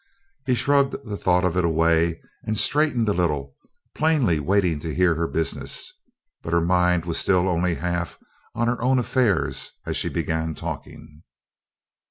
He shrugged the thought of it away, and straightened a little, plainly waiting to hear her business. But her mind was still only half on her own affairs as she began talking.